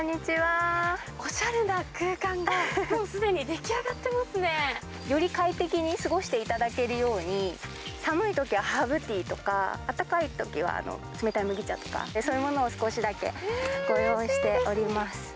おしゃれな空間が、もうすでより快適に過ごしていただけるように、寒いときはハーブティーとか、あったかいときは冷たい麦茶とか、そういうものを少しだけご用意しております。